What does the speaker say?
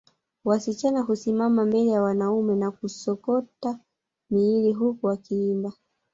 Wasichana husimama mbele ya wanaume na kusokota miili huku wakiimba